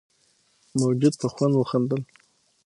موجود په خوند وخندل.